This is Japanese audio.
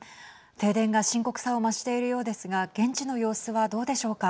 停電が深刻さを増しているようですが現地の様子は、どうでしょうか。